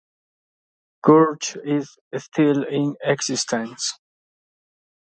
Church is still in existence.